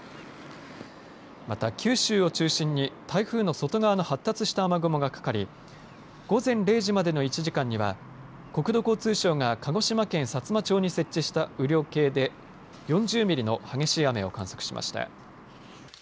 また、九州を中心に台風の外側の発達した雨雲がかかり午前０時までの１時間には国土交通省が鹿児島県さつま町に設置した雨量計で４０ミリの激しい雨を観測しました。